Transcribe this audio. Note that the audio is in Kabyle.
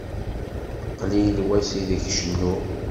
Qlil wass ideg cennuɣ.